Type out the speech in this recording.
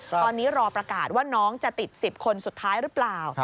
ตอนนี้รอประกาศว่าน้องจะติด๑๐คนสุดท้ายหรือเปล่า